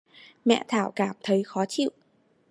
mẹ Thảo cảm thấy khó chịu